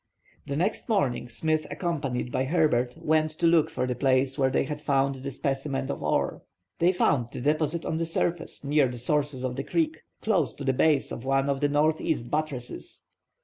The next morning, Smith, accompanied by Herbert, went to look for the place where they had found the specimen of ore. They found the deposit on the surface, near the sources of the creek, close to the base of one of the northeast buttresses.